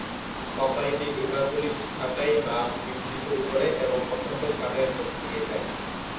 কোম্পানিটি বিভাগগুলি ছাঁটাই বা বিক্রি শুরু করে এবং অসংখ্য ছাঁটাইয়ের মধ্য দিয়ে যায়।